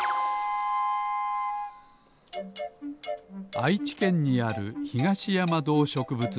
あいちけんにあるひがしやまどうしょくぶつえん。